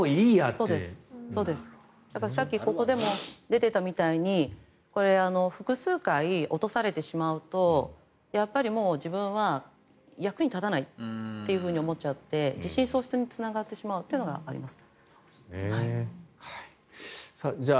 さっきここでも出ていたみたいに複数回、落とされてしまうとやっぱり自分は役に立たないというふうに思っちゃって自信喪失につながってしまうというのがあります。